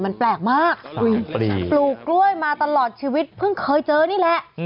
มันแปลกมากปลูกกล้วยมาตลอดชีวิตเพิ่งเคยเจอนี่แหละ